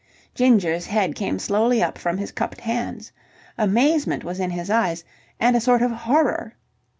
Ginger's head came slowly up from his cupped hands. Amazement was in his eyes, and a sort of horror.